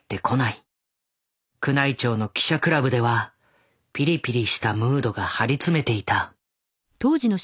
宮内庁の記者クラブではピリピリしたムードが張り詰めていた。